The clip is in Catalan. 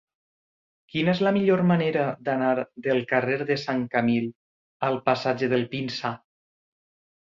Quina és la millor manera d'anar del carrer de Sant Camil al passatge del Pinsà?